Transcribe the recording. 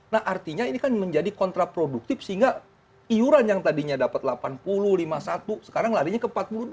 nah artinya ini kan menjadi kontraproduktif sehingga iuran yang tadinya dapat delapan puluh lima puluh satu sekarang larinya ke empat puluh dua